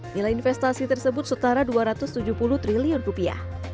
nilai investasi tersebut setara dua ratus tujuh puluh triliun rupiah